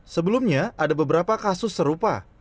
sebelumnya ada beberapa kasus serupa